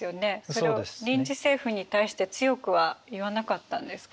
それを臨時政府に対して強くは言わなかったんですか？